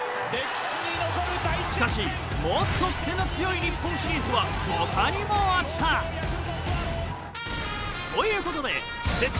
しかしもっとクセの強い日本シリーズは他にもあった！ということで。